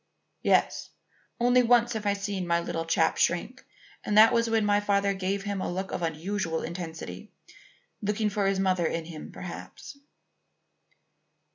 "Yes. Only once have I seen my little chap shrink, and that was when my father gave him a look of unusual intensity, looking for his mother in him perhaps."